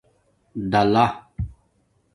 دَلہ